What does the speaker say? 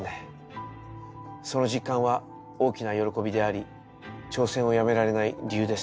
その実感は大きな喜びであり挑戦をやめられない理由です。